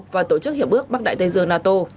và tổ chức hiệp ước bắc đại tây dương nato